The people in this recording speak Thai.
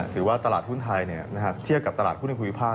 ถือว่าตลาดหุ้นไทยเทียบกับตลาดหุ้นในภูมิภาค